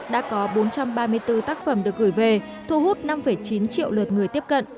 đã có bốn trăm ba mươi bốn tác phẩm được gửi về thu hút năm chín triệu lượt người tiếp cận